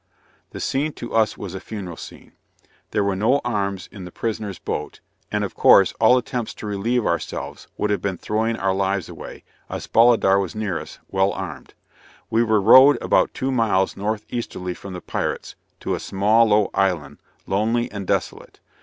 The scene to us was a funereal scene. There were no arms in the prisoners boat, and, of course, all attempts to relieve ourselves would have been throwing our lives away, as Bolidar was near us, well armed. We were rowed about two miles north easterly from the pirates, to a small low island, lonely and desolate.